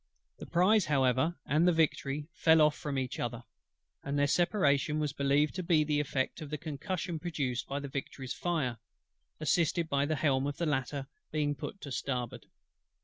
The prize however, and the Victory, fell off from each other; and their separation was believed to be the effect of the concussion produced by the Victory's fire, assisted by the helm of the latter being put to starboard.